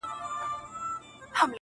هغې بېگاه زما د غزل کتاب ته اور واچوه،